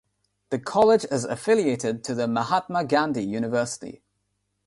The college is affiliated to the Mahatma Gandhi University.